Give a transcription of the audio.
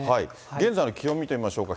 現在の気温を見てみましょうか。